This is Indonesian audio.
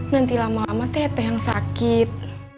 nanti lama lama teteh yang sakit